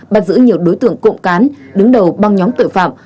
bắt giữ nhiều đối tượng cộng cán đứng đầu băng nhóm tội phạm